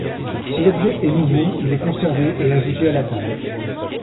Si l'objet est nouveau, il est conservé et ajouté à la table.